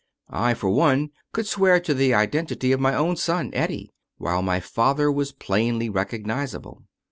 I, for one, could swear to the identity of my own son Eddie, while my father was plainly recognizable.